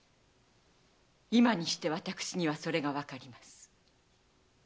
今にして私にはそれがわかります。